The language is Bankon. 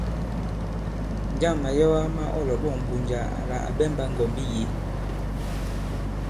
Njâŋ màyɛwa mā ɔ lɔ̀ɓɔ̂ŋ Mbunja àla à ɓɛmbā ŋgɔ̀mbi yě ?